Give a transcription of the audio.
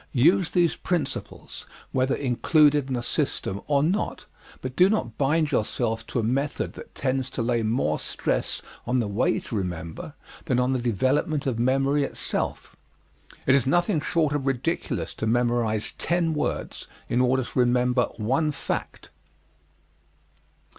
Use these principles, whether included in a system or not, but do not bind yourself to a method that tends to lay more stress on the way to remember than on the development of memory itself. It is nothing short of ridiculous to memorize ten words in order to remember one fact.